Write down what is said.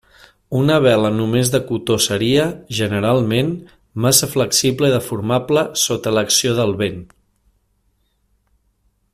Una vela només de cotó seria, generalment, massa flexible i deformable sota l'acció del vent.